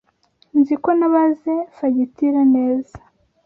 Nzi ko nabaze fagitire neza.